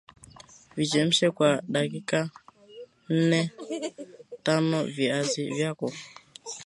Vichemshe kwa dakika nnetanoviazi vyako